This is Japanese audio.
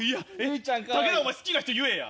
タケダお前好きな人言えや。